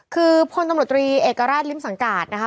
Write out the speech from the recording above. คือพลตำรวจตรีเอกราชริมสังกาศนะคะ